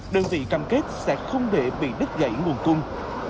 đơn vị cam kết sẽ không để bị đứt gãy nguồn cung